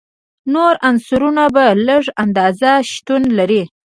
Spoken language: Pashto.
نور عنصرونه په لږه اندازه شتون لري.